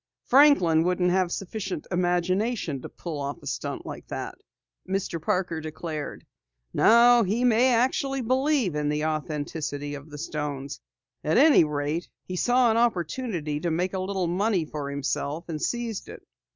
"Franklin wouldn't have sufficient imagination to pull off a stunt like that," Mr. Parker declared. "No, he may actually believe in the authenticity of the stones. At any rate, he saw an opportunity to make a little money for himself and seized it."